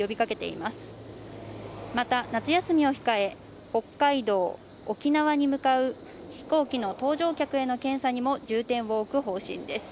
また夏休みを控え、北海道、沖縄に向かう飛行機の搭乗客への検査にも重点を置く方針です。